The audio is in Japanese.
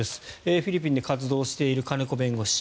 フィリピンで活動している金子弁護士。